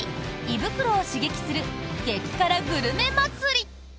胃袋を刺激する激辛グルメ祭り。